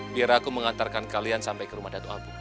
biar aku mengantarkan kalian sampai ke rumah dato abu